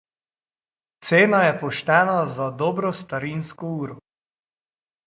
Cena je poštena za dobro starinsko uro.